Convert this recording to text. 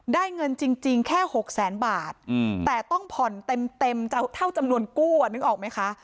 เงินจริงแค่๖แสนบาทแต่ต้องผ่อนเต็มเท่าจำนวนกู้นึกออกไหมคะ